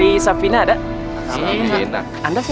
ini gak bener bener kobong pacaran aja